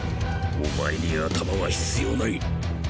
お前に頭は必要ない。